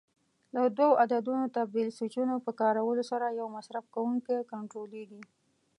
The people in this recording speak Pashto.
له دوو عددونو تبدیل سویچونو په کارولو سره یو مصرف کوونکی کنټرولېږي.